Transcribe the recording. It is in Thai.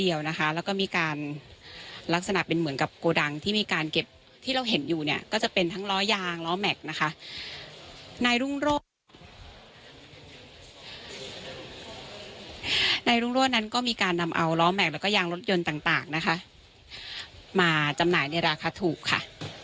ยางรถยนต์ต่างนะคะมาจำหน่ายในราคาถูกค่ะ